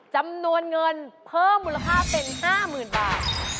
จำนวนเงินเพิ่มมูลค่าเป็น๕๐๐๐บาท